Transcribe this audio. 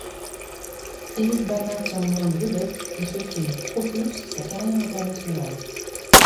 Eric Bana tient le rôle vedette et ce film propulse sa carrière internationale.